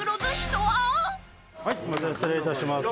失礼いたします